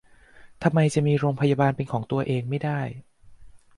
ทำไมจะมีโรงพยาบาลเป็นของตัวเองไม่ได้